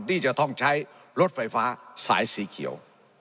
ที่จะต้องใช้รถไฟฟ้าสายสีเขียว